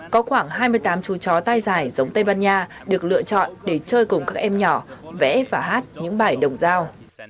có khoảng hai mươi tám chú chó tai dài giống tây ban nha được lựa chọn để chơi cùng các em nhỏ vẽ và hát những bài đồng giao